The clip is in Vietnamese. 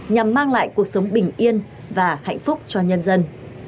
nhằm mang lại cuộc sống bình yên và hạnh phúc cho nhân dân